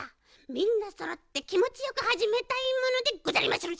みんなそろってきもちよくはじめたいものでござりまする。